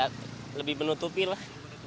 ya lebih penutupi lah